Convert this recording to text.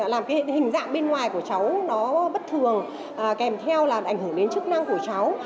làm cái hình dạng bên ngoài của cháu nó bất thường kèm theo làm ảnh hưởng đến chức năng của cháu